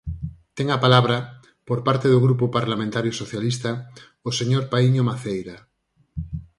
Ten a palabra, por parte do Grupo Parlamentario Socialista, o señor Paíño Maceira.